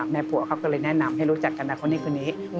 แม่ผัวเขาก็เลยแนะนำให้รู้จักกันนะคนนี้คนนี้